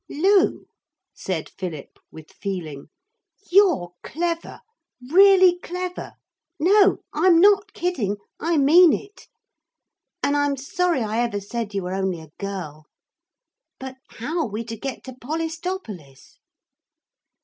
'Lu,' said Philip with feeling, 'you're clever, really clever. No, I'm not kidding. I mean it. And I'm sorry I ever said you were only a girl. But how are we to get to Polistopolis?'